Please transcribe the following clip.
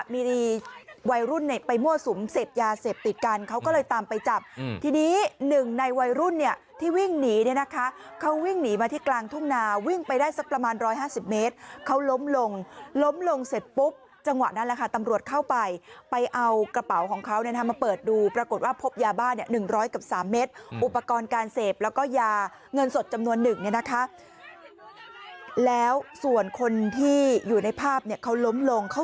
มีวัยรุ่นเนี่ยไปมั่วสุมเสพยาเสพติดกันเขาก็เลยตามไปจับทีนี้หนึ่งในวัยรุ่นเนี่ยที่วิ่งหนีเนี่ยนะคะเขาวิ่งหนีมาที่กลางทุ่มนาวิ่งไปได้สักประมาณร้อยห้าสิบเมตรเขาล้มลงล้มลงเสร็จปุ๊บจังหวะนั้นแหละค่ะตำรวจเข้าไปไปเอากระเป๋าของเขาเนี่ยมาเปิดดูปรากฏว่าพบยาบ้านเนี่ยหนึ่งร้อยกับสาม